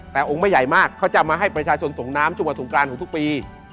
แต่องค์ไม่ใหญ่มากเค้าจะมาให้ประชาชนส่งน้ำจุงประสงค์กลานของทุกปี